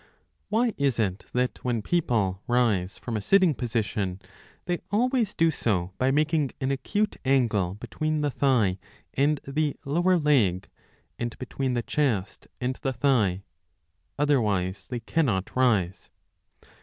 WHY is it that when people rise from a sitting position, 3 they always do so by making an acute angle between the thigh and the lower leg and between the chest and the thigh, otherwise they cannot rise